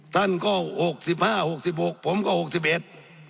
ท่านก็หกสิบห้าหกสิบหกผมก็หกสิบเอ็ด